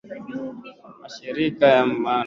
mashirika ya umma yasio ya kiserikali tunasema kwamba